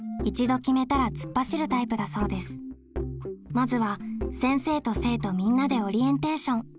まずは先生と生徒みんなでオリエンテーション。